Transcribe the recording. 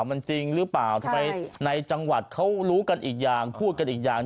มันจริงหรือเปล่าทำไมในจังหวัดเขารู้กันอีกอย่างพูดกันอีกอย่าง